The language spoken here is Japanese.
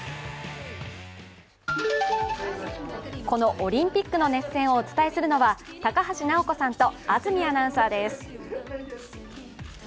このオリンピックの熱戦をお伝えするのは高橋尚子さんと安住アナウンサーです。